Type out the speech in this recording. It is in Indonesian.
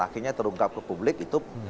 akhirnya terungkap ke publik itu